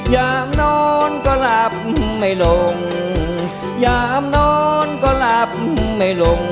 อย่างนอนก็หลับไม่ลง